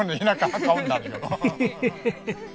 ヘヘヘヘッ。